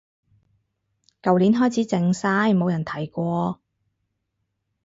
舊年開始靜晒冇人提過